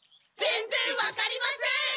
全然わかりません！